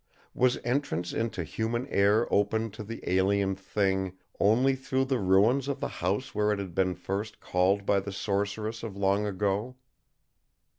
Was entrance into human air open to the alien Thing only through the ruins of the house where It had first been called by the sorceress of long ago?